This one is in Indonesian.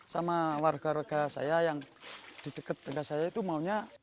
sama warga warga saya yang di dekat tengah saya itu maunya